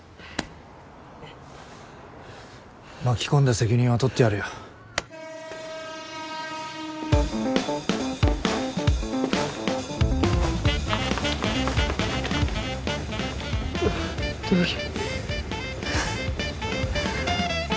巻き込んだ責任は取ってやるよ。の野木。